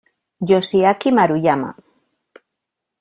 Yoshiaki Maruyama